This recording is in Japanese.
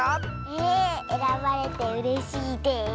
ええらばれてうれしいです。